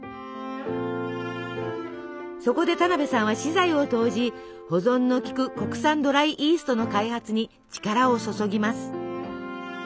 そこで田辺さんは私財を投じ保存の利く国産ドライイーストの開発に力を注ぎます。